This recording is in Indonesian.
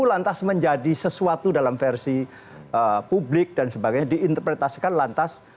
lantas menjadi sesuatu dalam versi publik dan sebagainya diinterpretasikan lantas